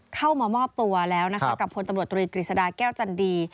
เข้ามามอบตัวแล้วนะคะกับพลตำรวจตรีกฤษฎาแก้วจันดี